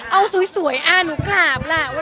เอาสวยหนูกราบล่ะ